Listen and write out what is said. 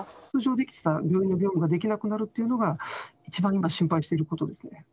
通常できていた病院の業務ができなくなるということが、一番今、心配していることですね。